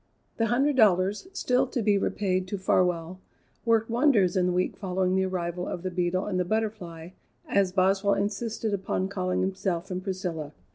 The hundred dollars, still to be repaid to Farwell, worked wonders in the week following the arrival of the Beetle and the Butterfly, as Boswell insisted upon calling himself and Priscilla.